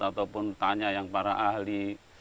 ataupun tanya yang para ahli